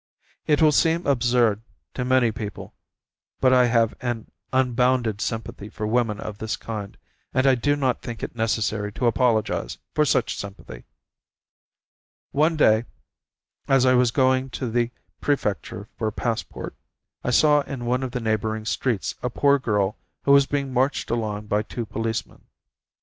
It will seem absurd to many people, but I have an unbounded sympathy for women of this kind, and I do not think it necessary to apologize for such sympathy. One day, as I was going to the Prefecture for a passport, I saw in one of the neighbouring streets a poor girl who was being marched along by two policemen.